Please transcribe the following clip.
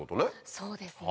そうですね。